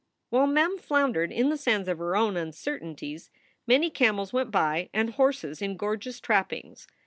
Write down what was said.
While Mem floundered in the sands of her own uncertain ties many camels went by, and horses in gorgeous trappings.